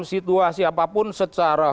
situasi apapun secara